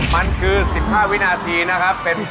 มันคือ๑๕วินาทีนะครับ